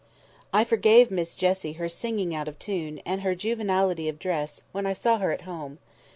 I forgave Miss Jessie her singing out of tune, and her juvenility of dress, when I saw her at home.